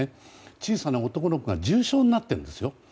小さな男の子が重傷になってるんですよ。